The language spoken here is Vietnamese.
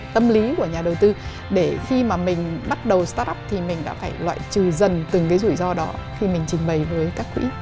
tâm lý của nhà đầu tư để khi mà mình bắt đầu start up thì mình đã phải loại trừ dần từng cái rủi ro đó khi mình trình bày với các quỹ